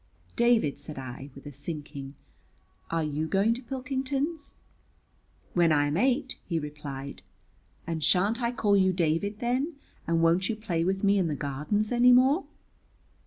"David," said I, with a sinking, "are you going to Pilkington's?" "When I am eight," he replied. "And sha'n't I call you David then, and won't you play with me in the Gardens any more?"